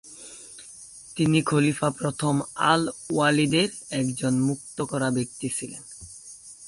তিনি খলিফা প্রথম আল ওয়ালিদের একজন মুক্ত করা ব্যক্তি ছিলেন।